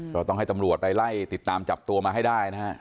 ก็ต้องให้ตำรวจไปไล่ติดตามจับตัวมาให้ได้นะฮะ